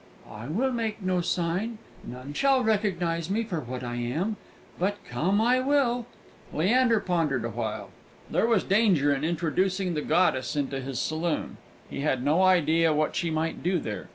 "I will make no sign; none shall recognise me for what I am. But come I will!" Leander pondered awhile. There was danger in introducing the goddess into his saloon; he had no idea what she might do there.